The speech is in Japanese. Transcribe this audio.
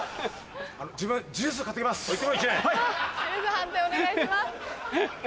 判定お願いします。